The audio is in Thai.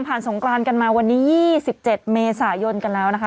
สงกรานกันมาวันนี้๒๗เมษายนกันแล้วนะคะ